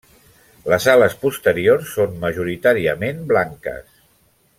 Les ales posteriors són majoritàriament blanques.